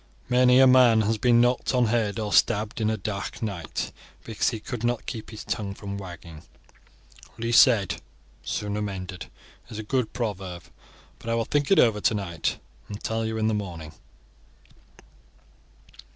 Many a man has been knocked on head or stabbed on a dark night, because he could not keep his tongue from wagging. 'Least said, the sooner mended,' is a good proverb; but I will think it over tonight, and tell you in the morning."